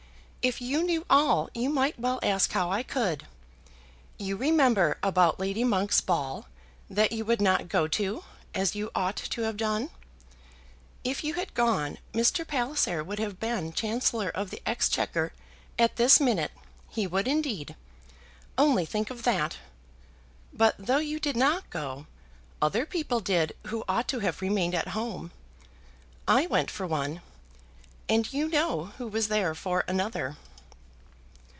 "If you knew all, you might well ask how I could. You remember about Lady Monk's ball, that you would not go to, as you ought to have done. If you had gone, Mr. Palliser would have been Chancellor of the Exchequer at this minute; he would, indeed. Only think of that! But though you did not go, other people did who ought to have remained at home. I went for one, and you know who was there for another."